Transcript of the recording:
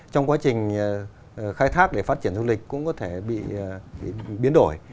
trong quá trình khai thác để phát triển du lịch cũng có thể bị biến đổi